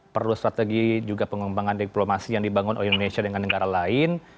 perlu strategi juga pengembangan diplomasi yang dibangun oleh indonesia dengan negara lain